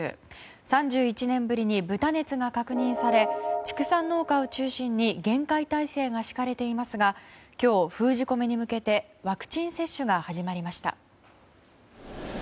３１年ぶりに豚熱が確認され畜産農家を中心に厳戒態勢が敷かれていますが今日、封じ込めに向けてワクチン接種が始まりました。